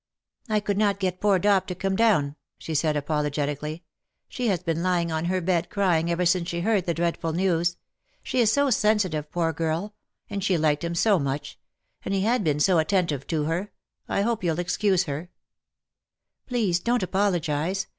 " I could not get poor Dop to come down,^^ she said, apologetically. " She has been lying on her bed crying ever since she heard the dreadful news. She is so sensitive, poor girl; and she liked him so much ; and he had been so attentive to her. I hope you^ll excuse her T' *' Please don^t apologize.